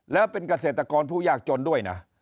แล้วเป็นเกษตรกรผู้ยากจนด้วยนะ